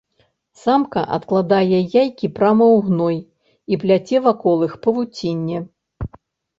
Самка адкладае яйкі прама ў гной і пляце вакол іх павуцінне.